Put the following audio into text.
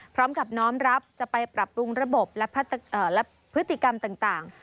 พร้อมกับน้อมรับจะไปปรับปรุงระบบและพฤติกรรมต่าง